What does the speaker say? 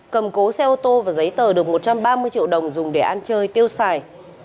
cầm cố xe ô tô và giấy tờ được một trăm ba mươi triệu đồng dùng để ăn chơi tiêu xài